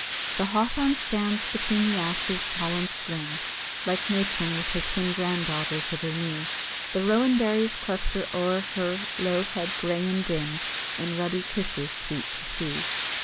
The Hawthorn stands between the ashes tall and slim, Like matron with her twin grand daughters at her knee; The rowan berries cluster o'er her low head grey and dim In ruddy kisses sweet to see.